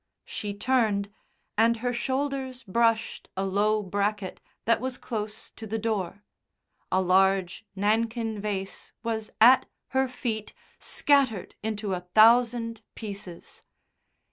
'" She turned, and her shoulders brushed a low bracket that was close to the door. A large Nankin vase was at her feet, scattered into a thousand pieces.